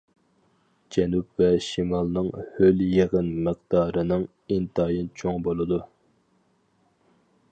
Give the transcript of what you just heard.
جەنۇب ۋە شىمالنىڭ ھۆل يېغىن مىقدارىنىڭ ئىنتايىن چوڭ بولىدۇ.